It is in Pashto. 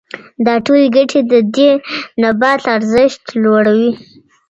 دا ټولې ګټې د دې نبات ارزښت لوړوي.